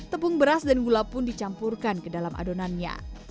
tepung beras dan gula pun dicampurkan ke dalam adonannya